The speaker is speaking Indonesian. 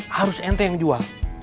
harus ente yang jual